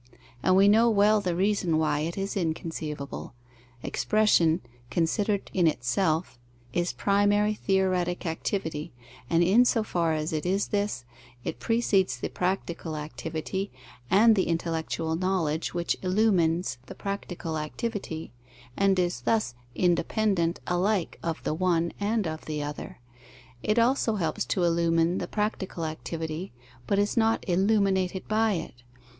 And we know well the reason why it is inconceivable; expression, considered in itself, is primary theoretic activity, and, in so far as it is this, it precedes the practical activity and the intellectual knowledge which illumines the practical activity, and is thus independent alike of the one and of the other. It also helps to illumine the practical activity, but is not illuminated by it.